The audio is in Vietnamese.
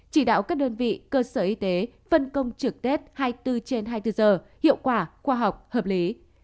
chỉ đạo các đơn vị cơ sở y tế phân công trực tết hai mươi bốn trên hai mươi bốn giờ hiệu quả khoa học hợp lý